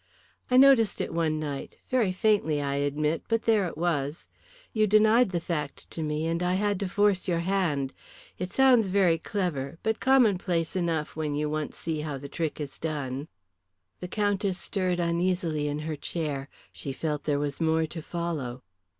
"I noticed it one night, very faintly I admit, but there it was. You denied the fact to me, and I had to force your hand. It sounds very clever, but commonplace enough when you once see how the trick is done." The Countess stirred uneasily in her chair. She felt there was more to follow.